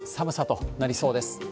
真冬の寒さとなりそうです。